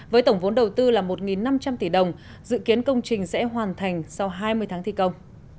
với tổng vốn đầu tư là một năm trăm linh tỷ đồng dự kiến công trình sẽ hoàn thành sau hai mươi tháng thi công